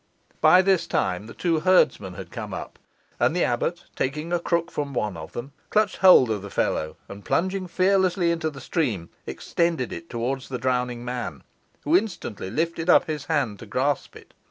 By this time the two herdsmen had come up, and the abbot, taking a crook from one of them, clutched hold of the fellow, and, plunging fearlessly into the stream, extended it towards the drowning man, who instantly lifted up his hand to grasp it.